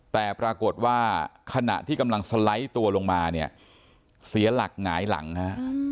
แต่ปรากฏว่าขณะที่กำลังสไลด์ตัวลงมาเนี่ยเสียหลักหงายหลังฮะ